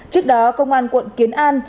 trước đó công an quận kiến an